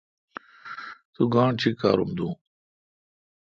تو گانٹھ چیکّارام دون۔